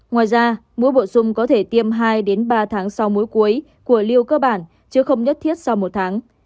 ngoài ra mỗi bổ sung có thể tiêm hai ba tháng sau mỗi cuối của liều cơ bản chứ không nhất thiết sau một tháng